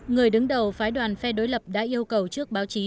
người đứng đầu phái đoàn phe đối lập đã yêu cầu trước báo chí